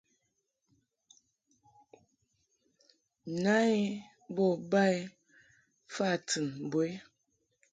Na I bo ba I ka fa tɨn mbo i.